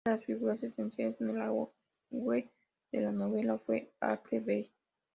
Una de las figuras esenciales en el auge de la novela fue Aphra Behn.